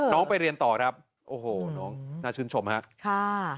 ไปเรียนต่อครับโอ้โหน้องน่าชื่นชมฮะค่ะ